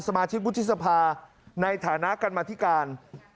สมาชิกวุฒิสภาในฐานะกรรมธิการ